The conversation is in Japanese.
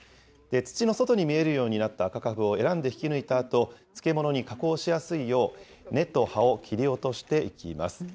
土の外に見えるようになった赤カブを選んで引き抜いたあと、漬物に加工しやすいよう、根と葉を切り落としていきます。